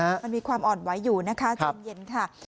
มันมีความอ่อนไหวอยู่นะคะใจเย็นค่ะ